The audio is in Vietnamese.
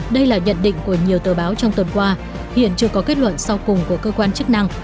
đây là nhận định của nhiều tờ báo trong tuần qua hiện chưa có kết luận sau cùng của cơ quan chức năng